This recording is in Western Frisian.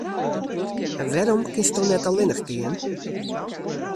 En wêrom kinsto net allinnich gean?